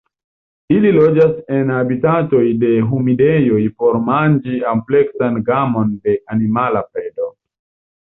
Ili loĝas en habitatoj de humidejoj por manĝi ampleksan gamon de animala predo.